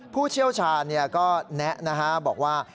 ผู้เชี่ยวชาเนี่ยก็แนะนะฮะบอกว่า